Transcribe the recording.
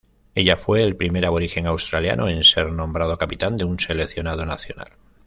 Ella fue el primer aborigen australiano en ser nombrado capitán de un seleccionado nacional.